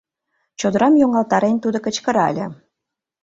— чодырам йоҥгалтарен тудо кычкырале.